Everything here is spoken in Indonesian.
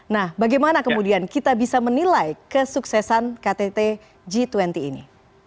nah bagaimana kemudian kita bisa menilai kesuksesan ktt g dua puluh ini